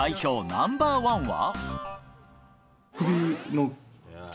ナンバーワンは。